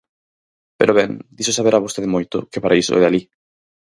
Pero, ben, diso saberá vostede moito, que para iso é de alí.